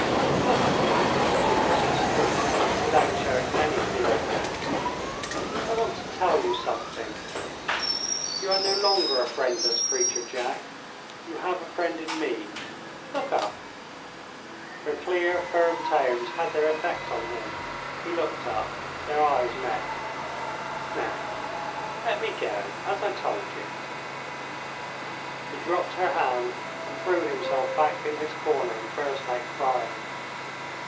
"Look at me," she persisted, without showing any fear of him. "I want to tell you something. You are no longer a friendless creature, Jack. You have a friend in me. Look up." Her clear firm tones had their effect on him; he looked up. Their eyes met. "Now, let me go, as I told you." He dropped her hand, and threw himself back in his corner and burst out crying.